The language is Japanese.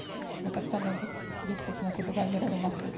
たくさんの侮辱的なことが見られます。